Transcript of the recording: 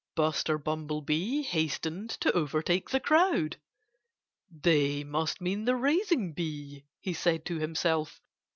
Buster Bumblebee hastened to overtake the crowd. "They must mean the raising bee," he said to himself.